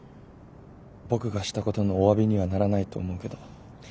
僕がしたことのおわびにはならないと思うけど。